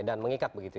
dan kalo kita memanggah